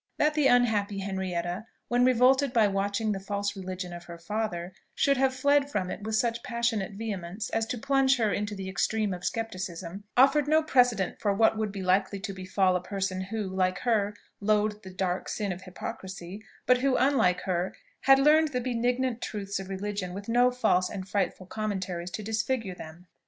That the unhappy Henrietta, when revolted by watching the false religion of her father, should have fled from it with such passionate vehemence as to plunge her into the extreme of scepticism, offered no precedent for what would be likely to befall a person who, like her, loathed the dark sin of hypocrisy, but who, unlike her, had learned the benignant truths of religion with no false and frightful commentaries to disfigure them.